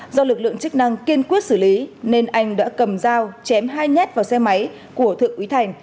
do lực lượng chức năng kiên quyết xử lý nên anh đã cầm dao chém hai nhát vào xe máy của thượng úy thành